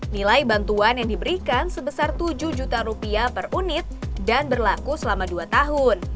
nilai bantuan yang diberikan sebesar tujuh juta rupiah per unit dan berlaku selama dua tahun